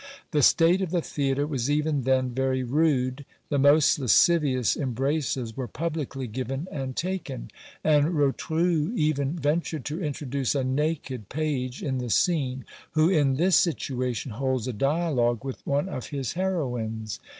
The state of the theatre was even then very rude; the most lascivious embraces were publicly given and taken; and Rotrou even ventured to introduce a naked page in the scene, who in this situation holds a dialogue with one of his heroines.